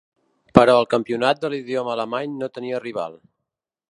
Però el campionat de l'idioma alemany no tenia rival.